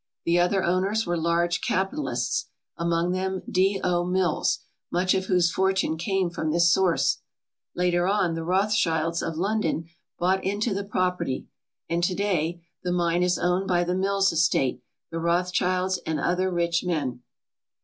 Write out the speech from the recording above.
The other owners were large capi talists, among them D. O. Mills, much of whose fortune came from this source. Later on the Rothschilds of Lon don bought into the property, and to day the mine is 82 TREASURES UNDER THE SEA owned by the Mills estate, the Rothschilds, and other rich men.